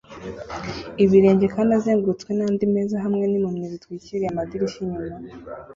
ibirenge kandi azengurutswe n'andi meza hamwe n'impumyi zitwikiriye amadirishya inyuma